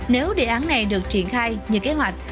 nếu đề án này được triển khai như kế hoạch